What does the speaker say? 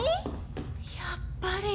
やっぱり。